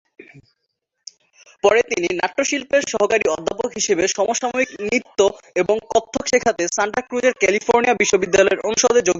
পরে তিনি নাট্য শিল্পের সহকারী অধ্যাপক হিসাবে সমসাময়িক নৃত্য এবং কত্থক শেখাতে সান্টা ক্রুজের ক্যালিফোর্নিয়া বিশ্ববিদ্যালয়ের অনুষদে যোগদান করেন।